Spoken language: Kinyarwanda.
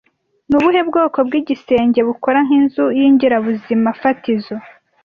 Ni ubuhe bwoko bw'igisenge bukora nk'inzu y'ingirabuzimafatizo